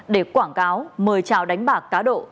để quảng cáo mời trào đánh bạc cá độ